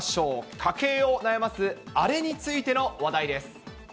家計を悩ますあれについての話題です。